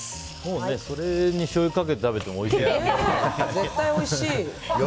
それにしょうゆかけて食べてもおいしい。